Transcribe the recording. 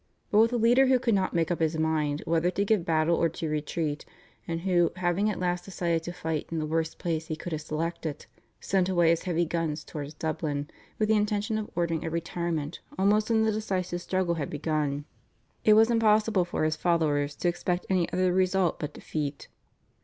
But with a leader who could not make up his mind whether to give battle or to retreat, and who, having at last decided to fight in the worst place he could have selected, sent away his heavy guns towards Dublin with the intention of ordering a retirement almost when the decisive struggle had begun, it was impossible for his followers to expect any other result but defeat.